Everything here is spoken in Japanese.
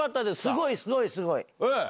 すごいすごいすごい。